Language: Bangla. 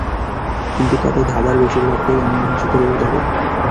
কিন্তু তাতে ধাঁধার বেশিরভাগটাই অমীমাংসিত রয়ে যাবে।